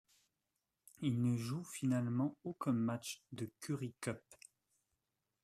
Il ne joue finalement aucun match de Currie Cup.